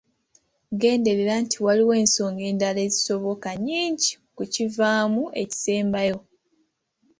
Genderera nti waliwo ensonga endala ezisoboka nnyingi ku kivaamu ekisembayo.